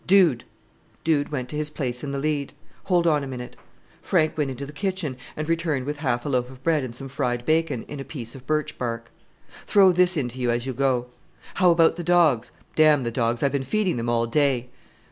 "Dude!" Dude went to his place in the lead. "Hold on a minute." Frank went into the kitchen, and returned with half a loaf of bread and some fried bacon, in a piece of birch bark. "Throw this into you as you go." "How about the dogs?" "Damn the dogs; I've been feeding them all day."